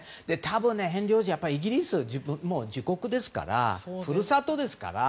ヘンリー王子はイギリスは自国ですから、故郷ですから。